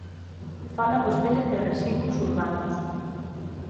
Fala vostede de residuos urbanos.